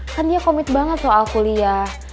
kan dia komit banget soal kuliah